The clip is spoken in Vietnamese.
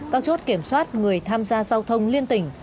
các chốt kiểm soát người tham gia giao thông liên tỉnh